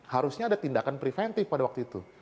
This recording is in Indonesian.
harusnya ada tindakan preventif pada waktu itu